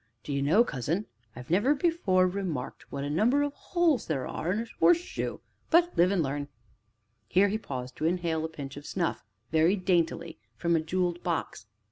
D'ye know, cousin, I never before remarked what a number of holes there are in a horseshoe but live and learn!" Here he paused to inhale a pinch of snuff, very daintily, from a jewelled box.